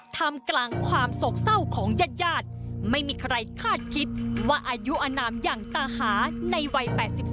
ทำกลางความโศกเศร้าของญาติญาติไม่มีใครคาดคิดว่าอายุอนามอย่างตาหาในวัย๘๒